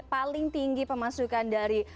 paling tinggi pemasukan dari